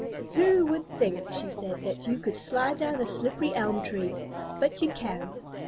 "Who would think," she said, "that you could slide down a slippery elm tree? But you can."